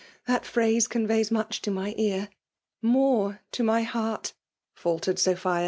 — ^that phrase conveys much to my ear^ — ^more to my heart/' falteited Sophia.